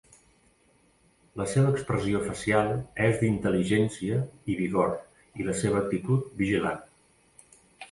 La seva expressió facial és d'intel·ligència i vigor i la seva actitud vigilant.